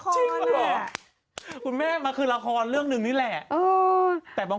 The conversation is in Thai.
ตามหาว่านางหายไปไหน